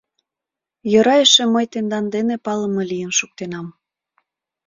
Йӧра эше мый тендан дене палыме лийын шуктенам.